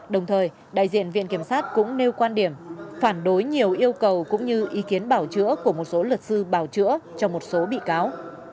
đồng thời đại diện viện kiểm sát cũng nêu quan điểm phản đối nhiều yêu cầu cũng như ý kiến bảo chữa của một số luật sư bảo chữa cho một số bị cáo